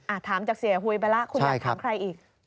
ถามจากเสียหุยไปแล้วคุณอยากถามใครอีก